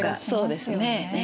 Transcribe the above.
そうですね。